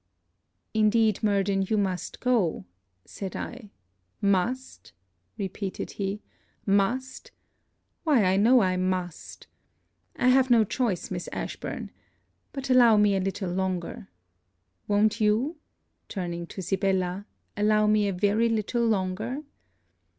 'Indeed, Murden, you must go,' said I. 'Must,' repeated he 'must! why I know I must. I have no choice, Miss Ashburn. But allow me a little longer: won't you,' turning to Sibella 'allow me a very little longer?'